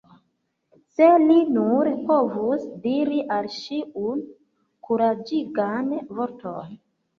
Se li nur povus diri al ŝi unu kuraĝigan vorton!